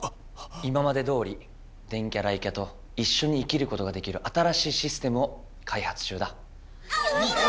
今までどおり電キャ雷キャといっしょに生きることができる新しいシステムをかいはつ中だ。